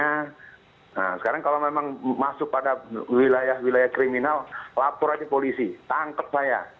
nah sekarang kalau memang masuk pada wilayah wilayah kriminal lapor aja polisi tangkep saya